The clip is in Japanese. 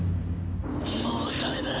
もうダメだ。